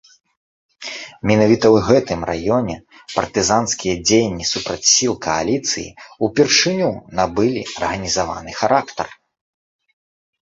Менавіта ў гэтым раёне партызанскія дзеянні супраць сіл кааліцыі ўпершыню набылі арганізаваны характар.